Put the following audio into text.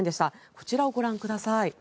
こちらをご覧ください。